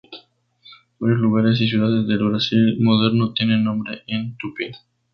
Varios lugares y ciudades del Brasil moderno tienen nombre en tupí.